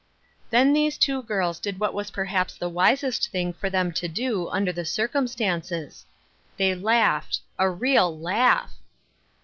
Then these two girls did what was perhaps the wisest thing for them to do, under the cir cumstances. They laughed — a real laugh.